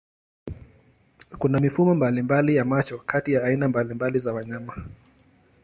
Kuna mifumo mbalimbali ya macho kati ya aina mbalimbali za wanyama.